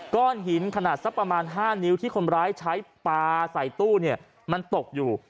ก้อนหินขนาดสักประมาณ๕นิ้วที่คนร้ายใช้ปลาใส่ตู้เนี่ยมันตกอยู่